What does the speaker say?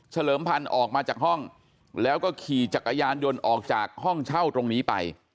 เลิมพันธ์ออกมาจากห้องแล้วก็ขี่จักรยานยนต์ออกจากห้องเช่าตรงนี้ไป